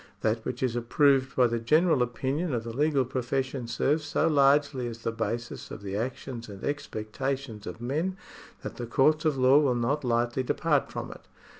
That which is approved by the general opinion of the legal profession serves so largely as the basis of the actions and expectations of men, that the courts of law will not lightly depart from it.